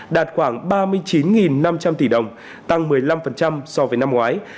đạt khoảng ba mươi chín năm trăm linh tỷ đồng tăng một mươi năm so với năm ngoái